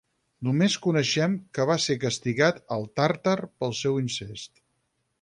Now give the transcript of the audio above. Només coneixem que va ser castigat al Tàrtar pel seu incest.